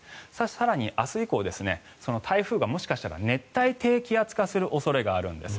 更に、明日以降台風がもしかしたら熱帯低気圧化する恐れがあるんです。